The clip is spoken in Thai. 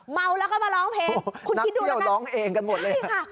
เมาแล้วก็มาร้องเพลงคุณคิดดูแล้วนะนักเที่ยวร้องเองกันหมดเลยใช่ค่ะ